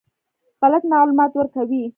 غلط معلومات ورکوي.